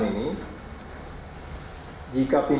pemerintahan dan pemberdayaan klien